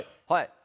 はい。